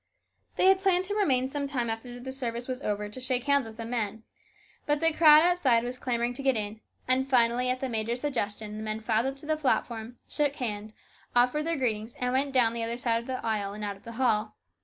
They had planned to remain some time after the service was over to shake hands with the men. But the crowd outside was clamouring to get in, and finally, at the major's suggestion, the men filed up to the platform, shook hands, offered their greetings, and went down the other side of the aisle and out of the hall.